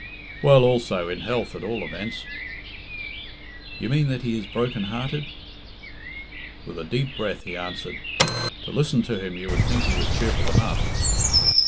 "Well, also in health, at all events." "You mean that he is broken hearted?" With a deep breath he answered, "To listen to him you would think he was cheerful enough."